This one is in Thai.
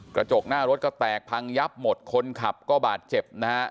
กระจกหน้ารถก็แตกพังยับหมดคนขับก็บาดเจ็บนะฮะ